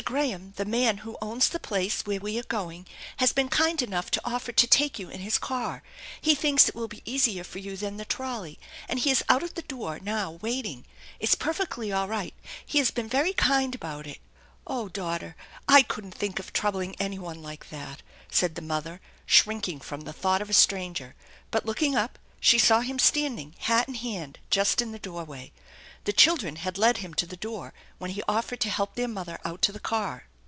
Graham, the man who owns the place where we are going, has been kind enough to offer to take you in his car. He thinks it will be easier for you than the trolley, and he is out at tn e door now waiting. It's perfectly all right He has been very kind about it " 128 THE ENCHANTED BARN " Oh daughter, I couldn't think of troubling any one liie that !" said the mother, shrinking from the thought of a stranger ; but, looking up, she saw him standing, hat in hand, just in the doorway. The children had led him to the door when he offered to help their mother out to the car.